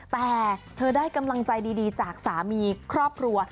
แต่เธอได้กำลังใจดีจากสามีครอบครัว